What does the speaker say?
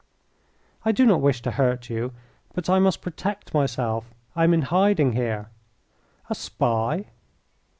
"I do not wish to hurt you, but I must protect myself. I am in hiding here." "A spy!"